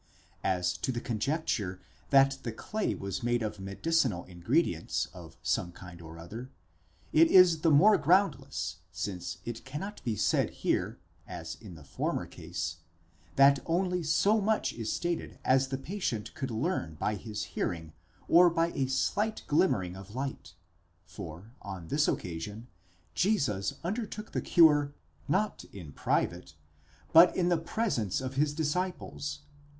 As to the conjecture that the clay was made of medicinal ingredients of some kind or other, it is the more groundless, since it cannot be said here, as in the former case, that only so much is stated as the patient could learn by his hearing or by a slight glimmering of light, for, on this occasion, Jesus undertook the cure, not in private, but in the presence of his disciples.